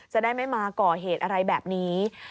จะได้ไม่มาก่อเหตุอะไรแบบนี้